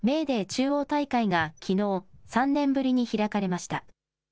中央大会が、きのう、３年ぶりに開かれました。